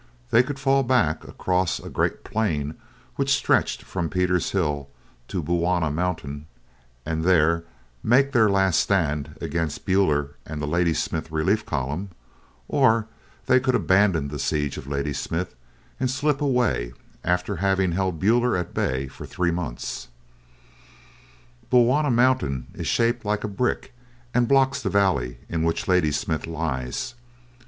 They could fall back across a great plain which stretched from Pieter's Hill to Bulwana Mountain, and there make their last stand against Buller and the Ladysmith relief column, or they could abandon the siege of Ladysmith and slip away after having held Buller at bay for three months. Bulwana Mountain is shaped like a brick and blocks the valley in which Ladysmith lies.